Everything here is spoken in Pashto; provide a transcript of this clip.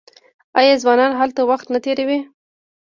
آیا ځوانان هلته وخت نه تیروي؟